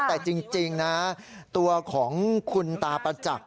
พระขู่คนที่เข้าไปคุยกับพระรูปนี้